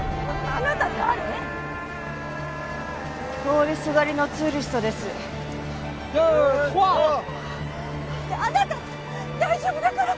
あなた大丈夫だから！